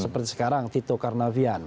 seperti sekarang tito karnavian